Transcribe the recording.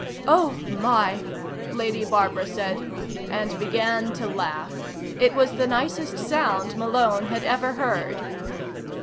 "Oh, my," Lady Barbara said and began to laugh. It was the nicest sound Malone had ever heard.